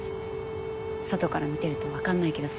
外から見てるとわかんないけどさ。